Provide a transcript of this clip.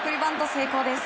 成功です。